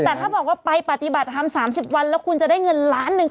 แต่ถ้าบอกว่าไปปฏิบัติธรรม๓๐วันแล้วคุณจะได้เงินล้านหนึ่ง